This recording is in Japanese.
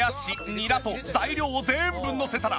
ニラと材料を全部のせたら。